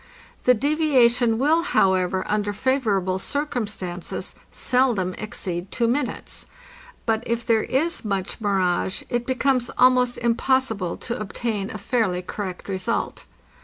The deviation will, however, under favor able circumstances, seldom exceed two minutes. But if there is much mirage, it becomes almost impossible to obtain a fairly correct result.